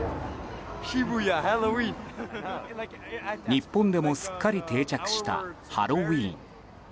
日本でもすっかり定着したハロウィーン。